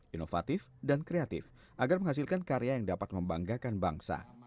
inovatif dan kreatif agar menghasilkan karya yang dapat membanggakan bangsa